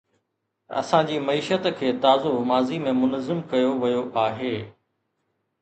اسان جي معيشت کي تازو ماضي ۾ منظم ڪيو ويو آهي.